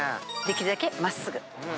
できるだけ真っすぐ。